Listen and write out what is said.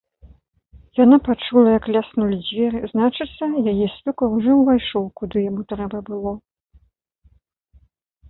Яна пачула, як ляснулі дзверы, значыцца, яе свёкар ужо ўвайшоў, куды яму трэба было.